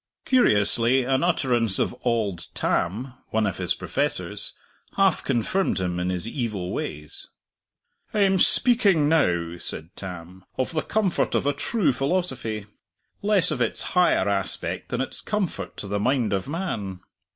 Curiously, an utterance of "Auld Tam," one of his professors, half confirmed him in his evil ways. "I am speaking now," said Tam, "of the comfort of a true philosophy, less of its higher aspect than its comfort to the mind of man.